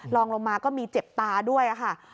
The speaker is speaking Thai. ลองลงมาก็มีเจ็บตาด้วยค่ะ